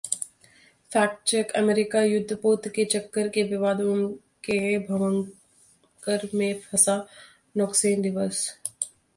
fact check: अमेरिकी युद्धपोत के चक्कर में विवादों के भंवर में फंसा नौसेना दिवस